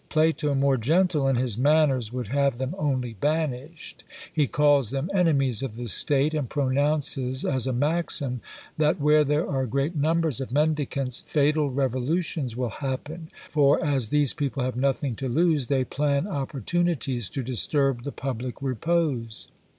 Plato, more gentle in his manners, would have them only banished. He calls them enemies of the state; and pronounces as a maxim, that where there are great numbers of mendicants, fatal revolutions will happen; for as these people have nothing to lose, they plan opportunities to disturb the public repose.